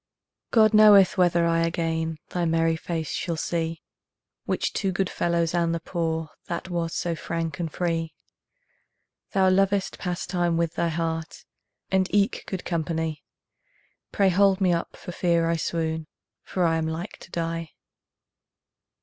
God knoweth whether I again Thy merry face shall see, Which to good fellows and the poor That was so frank and free. Thou lovedst pastime with thy heart, And eke good company; Pray hold me up for fear I swoon, For I am like to die.